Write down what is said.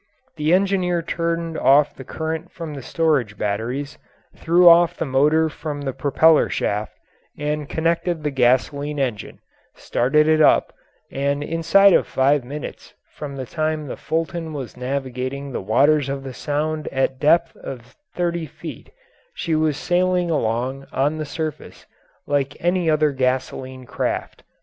The engineer turned off the current from the storage batteries, threw off the motor from the propeller shaft, and connected the gasoline engine, started it up, and inside of five minutes from the time the Fulton was navigating the waters of the Sound at a depth of thirty feet she was sailing along on the surface like any other gasoline craft.